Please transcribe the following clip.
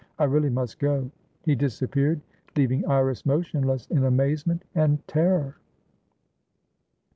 I really must go." He disappeared, leaving Iris motionless in amazement and terror.